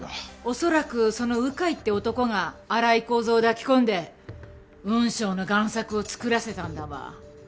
恐らくその鵜飼って男が荒井孝蔵を抱き込んで雲尚の贋作をつくらせたんだわ。